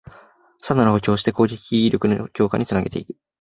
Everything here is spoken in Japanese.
さらなる補強をして攻撃力の強化につなげていく